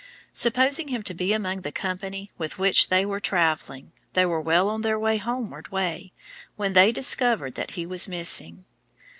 Supposing him to be among the company with which they were travelling, they were well on their homeward way, when they discovered that he was missing.